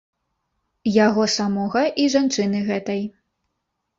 Яго самога і жанчыны гэтай.